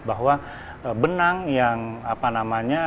bahwa benang yang apa namanya